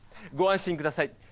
ご安心ください。